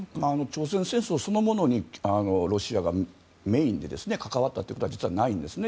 朝鮮戦争そのものにロシアがメインで関わったというのは実はないんですね。